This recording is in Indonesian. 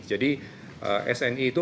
jadi sni itu